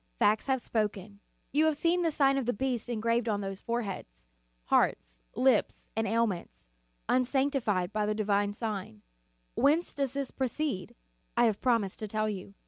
Facts have spoken. You have 307 308 The Sign of the Cross seen the sign of the beast engraven on those foreheads, hearts, lips and aliments, unsancti fied by the divine sign. Whence does this proceed? I have promised to tell you.